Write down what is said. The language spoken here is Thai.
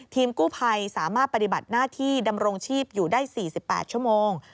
ทีมกู้ภัยสามารถปฏิบัติหน้าที่ดำรงชีพอยู่ได้๔๘ชั่วโมง